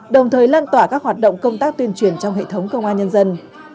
đồng thời lan tỏa các hoạt động công tác tuyên truyền trong hệ thống công an nhân dân